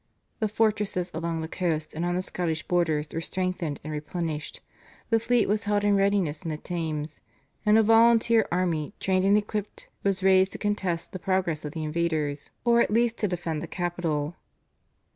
The fortresses along the coast and on the Scottish borders were strengthened, and replenished; the fleet was held in readiness in the Thames; and a volunteer army trained and equipped was raised to contest the progress of the invaders or at least to defend the capital.